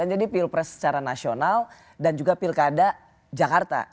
jadi pilpres secara nasional dan juga pilkada jakarta